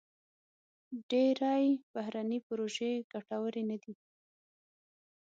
ډېری بهرني پروژې ګټورې نه دي.